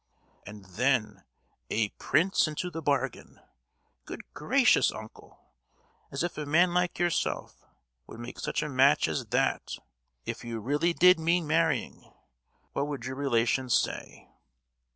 "And then—a prince into the bargain! Good gracious, uncle, as if a man like yourself would make such a match as that, if you really did mean marrying! What would your relations say?"